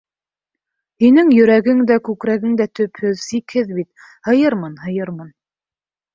— Һинең йөрәгең дә, күкрәгең дә төпһөҙ, сикһеҙ бит, һыйырмын, һыйырмын.